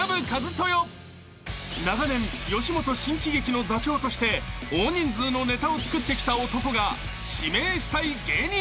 ［長年吉本新喜劇の座長として大人数のネタを作ってきた男が指名したい芸人とは］